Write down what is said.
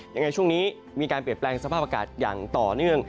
ยังไงช่วงนี้มีการเปลี่ยนแปลงสภาพอากาศอย่างต่อเนื่อง